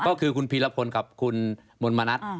ก็คือคุณผิลพลกับคุณมนมนัส